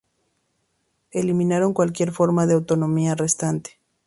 Eliminaron cualquier forma de autonomía restante.